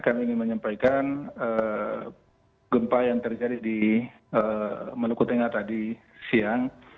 kami ingin menyampaikan gempa yang terjadi di maluku tengah tadi siang